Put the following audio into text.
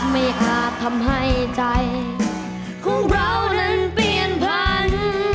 อาจทำให้ใจของเรานั้นเปลี่ยนพันธุ์